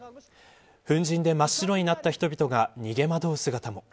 粉じんで真っ白になった人々が逃げ惑う姿も。